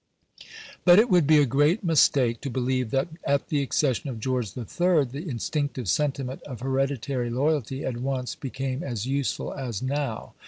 But it would be a great mistake to believe that at the accession of George III. the instinctive sentiment of hereditary loyalty at once became as useful as now.